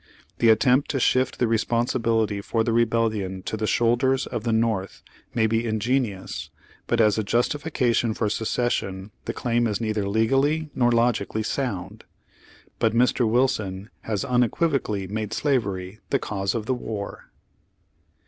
The attempt to shift the responsibility for the rebellion to the should ers of the North, may be ingenius, but as a justi fication for secession the claim is neither legally nor logically sound. But Mr. Wilson has un equivocally made slavery the cause of the war.